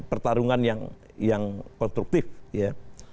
pertarungan yang konstruktif ya